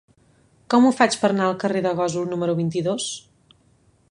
Com ho faig per anar al carrer de Gósol número vint-i-dos?